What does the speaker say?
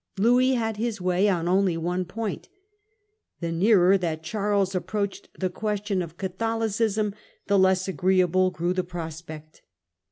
Louis had his way on only one point. The nearer that Charles approached the question of Catholicism the less agreeable grew the prospect.